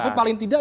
tapi paling tidak